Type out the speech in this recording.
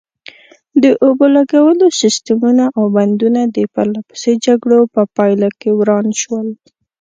د اوبو لګولو سیسټمونه او بندونه د پرلپسې جګړو په پایله کې وران شول.